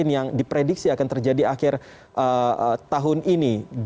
yang diprediksi akan terjadi akhir tahun ini